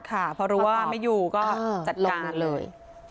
ค่ะเพราะรู้ว่าไม่อยู่ก็จัดการเลย